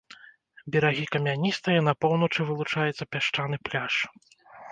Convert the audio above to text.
Берагі камяністыя, на поўначы вылучаецца пясчаны пляж.